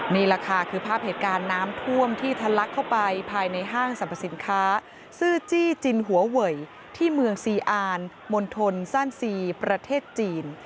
นี่แหละค่ะคือภาพเหตุการณ์น้ำท่วมที่ทะลักเข้าไปภายในห้างสรรพสินค้าซื่อจี้จินหัวเวยที่เมืองซีอาร์นมณฑลซ่านซีประเทศจีน